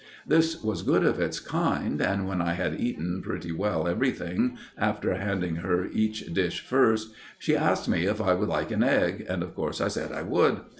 This was good of its kind, and when I had eaten pretty well everything, after handing her each dish first, she asked me if I would like an egg, and, of course, I said I would.